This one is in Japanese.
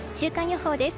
週間予報です。